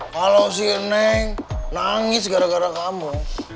kalau si neng nangis gara gara kamu